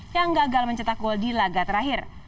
yang gagal mencetak gol di laga terakhir